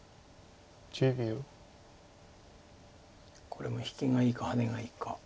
これも引きがいいかハネがいいか。